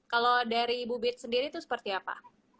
kalau dari bubid sendiri itu seperti apa